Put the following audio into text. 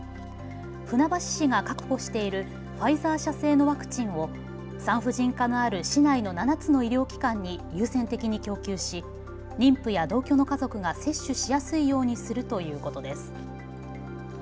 船橋市が確保しているファイザー社製のワクチンを産婦人科のある市内の７つの医療機関に優先的に供給し妊婦や同居の家族が接種しやすいようにするということです。